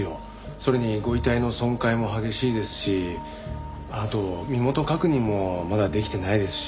それにご遺体の損壊も激しいですしあと身元確認もまだできてないですし。